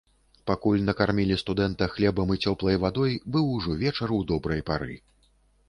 Пакуль накармілі студэнта хлебам і цёплай вадой, быў ужо вечар у добрай пары.